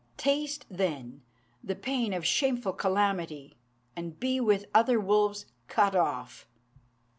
Taste, then, the pain of shameful calamity, and be with other wolves cut off."